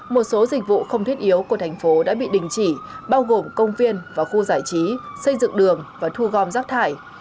một số dịch vụ không thiết yếu của thành phố đã bị đình chỉ bao gồm công viên và khu giải trí xây dựng đường và thu gom rác thải